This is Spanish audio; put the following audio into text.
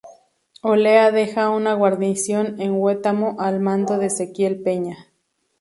Olea deja una guarnición en Huetamo al mando de Ezequiel Peña.